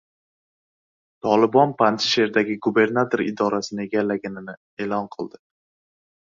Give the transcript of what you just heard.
Tolibon Panjshirdagi gubernator idorasini egallaganini e’lon qildi